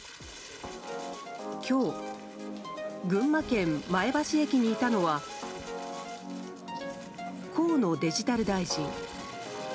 今日、群馬県前橋駅にいたのは河野デジタル大臣。